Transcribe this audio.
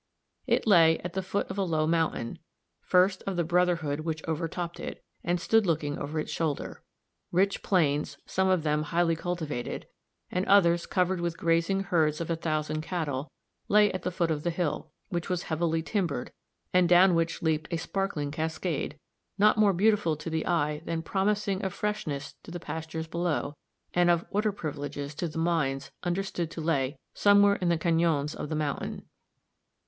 It lay at the foot of a low mountain, first of the brotherhood which overtopped it, and stood looking over its shoulder. Rich plains, some of them highly cultivated, and others covered with the grazing herds of a thousand cattle, lay at the foot of the hill, which was heavily timbered, and down which leaped a sparkling cascade, not more beautiful to the eye than promising of freshness to the pastures below, and of "water privileges" to the mines understood to lay somewhere in the cañons of the mountain.